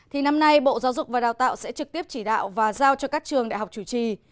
thì năm nay bộ giáo dục và đào tạo sẽ trực tiếp chỉ đạo và giao cho các trường đại học chủ trì